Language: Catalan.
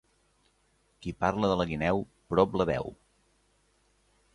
Qui parla de la guineu, prop la veu.